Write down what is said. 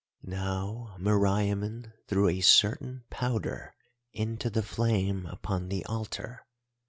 "Now Meriamun threw a certain powder into the flame upon the altar.